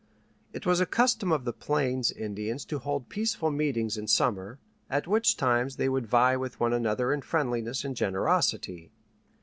It was a custom of the Plains Indians to hold peaceful meetings in summer, at which times they would vie with one another in friendliness and generosity.